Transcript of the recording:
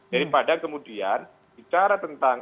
daripada kemudian bicara tentang